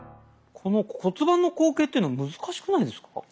この骨盤の後傾っていうの難しくないですか？